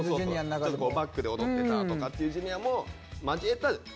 ちょっとバックで踊ってたとかっていうＪｒ．も交えた。